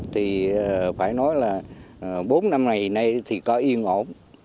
thì phải nói là bốn năm ngày nay thì có yên ổn